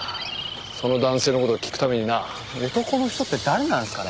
その男性のことを聞くためにな男の人って誰なんすかね？